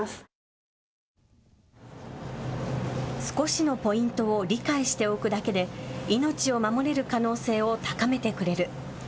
少しのポイントを理解しておくだけで命を守れる可能性を高めてくれる。